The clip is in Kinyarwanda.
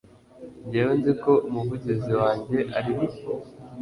jyewe nzi ko umuvugizi wanjye ariho